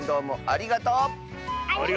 ありがとう！